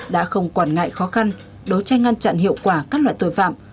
đã không quản ngại khó khăn đối tranh ngăn chặn hiệu quả các loại tội phạm